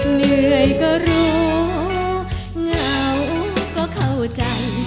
เหนื่อยก็รู้เหงาก็เข้าใจ